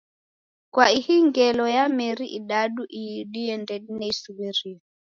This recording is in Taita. Kwa ihi ngelo ya meri idadu iidie ndedine isuw'irio.